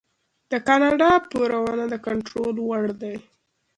د کاناډا پورونه د کنټرول وړ دي.